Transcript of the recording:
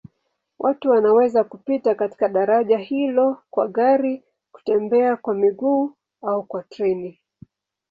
Watu wanaweza kupita katika daraja hilo kwa gari, kutembea kwa miguu au kwa treni.